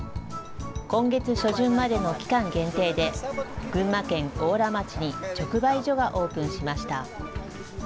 今月初旬までの期間限定で、群馬県邑楽町に直売所がオープンしました。